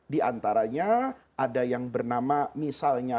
di antaranya ada yang bernama misalnya